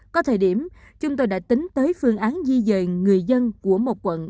có thời điểm chúng tôi đã tính tới phương án di dời người dân của một quận